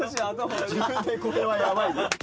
自分でこれはやばいよ。